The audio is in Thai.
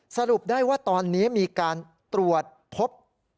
สรุปได้ว่าตอนนี้มีการตรวจพบ